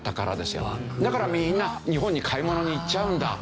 だからみんな日本に買い物に行っちゃうんだ。